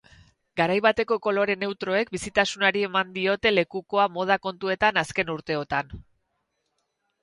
Garai bateko kolore neutroek bizitasunari eman diote lekukoa moda kontuetan azken urteotan.